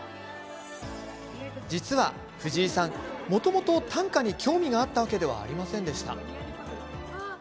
実は藤井さん、もともと短歌に興味があったわけではありませんでした。